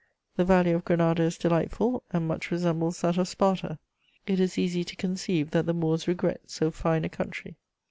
The valley of Granada is delightful, and much resembles that of Sparta: it is easy to conceive that the Moors regret so fine a country."